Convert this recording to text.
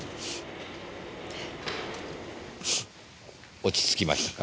落ち着きましたか？